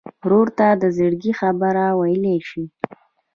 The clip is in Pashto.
ورور ته د زړګي خبره ویلی شې.